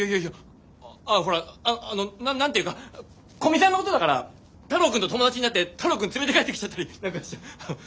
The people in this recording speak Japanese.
あほらあの何て言うか古見さんのことだから太郎くんと友達になって太郎くん連れて帰ってきちゃったり何かしちゃ。